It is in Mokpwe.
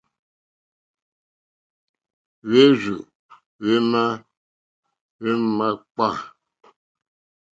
Hwérzù hwémá hwémǎkpâ.